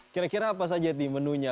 kira kira apa saja nih menunya